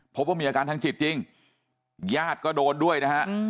พบว่ามีอาการทางจิตจริงญาติก็โดนด้วยนะฮะ